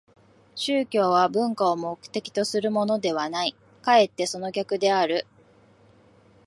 宗教は文化を目的とするものではない、かえってその逆である。